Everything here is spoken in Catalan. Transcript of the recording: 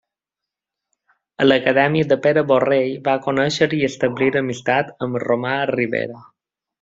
A l'acadèmia de Pere Borrell va conèixer i establir amistat amb Romà Ribera.